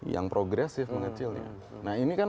yang progresif mengecil ya nah ini kan